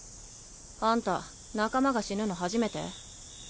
あんた仲間が死ぬの初めて？